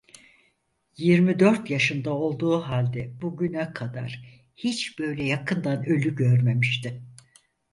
Yirmi dört yaşında olduğu halde, bugüne kadar hiç böyle yakından ölü görmemişti.